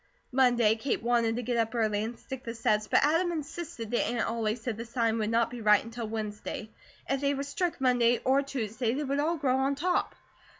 Monday Kate wanted to get up early and stick the sets, but Adam insisted that Aunt Ollie said the sign would not be right until Wednesday. If they were stuck on Monday or Tuesday, they would all grow to top.